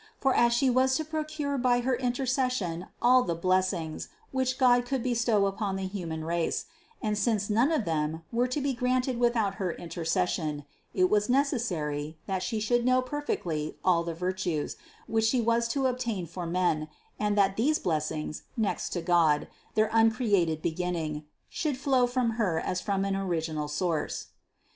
For as She was to procure by her interces sion all the blessings, which God would bestow upon the human race, and since none of them were to be granted without her intercession, it was necessary, that She should know perfectly all the virtues, which She was to obtain for men, and that these blessings, next to God, their uncreated beginning, should flow from Her as from an original source.